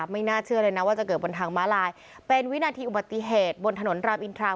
ไม่น่าเชื่อเลยนะว่าจะเกิดบนทางม้าลายเป็นวินาทีอุบัติเหตุบนถนนรามอินทราม